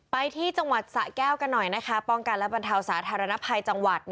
ไปที่จังหวัดสะแก้วกันหน่อยนะคะป้องกันและบรรเทาสาธารณภัยจังหวัด